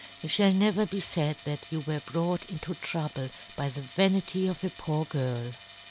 it ftiall never be " faid that you were brought into " trouble by the vanity of a poor " girl.'